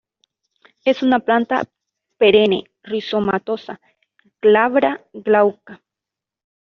Es una planta perenne, rizomatosa, glabra, glauca.